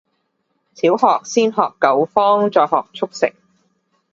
小學先學九方，再學速成